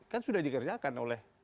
kan sudah dikerjakan oleh